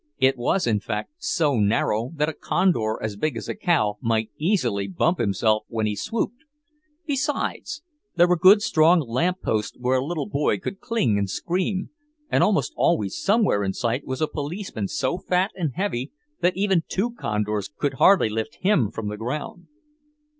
It was in fact so narrow that a Condor as big as a cow might easily bump himself when he "swooped." Besides, there were good strong lamp posts where a little boy could cling and scream, and almost always somewhere in sight was a policeman so fat and heavy that even two Condors could hardly lift him from the ground.